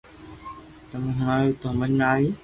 تمو ھڻاويو تو ھمج ۾ آوئي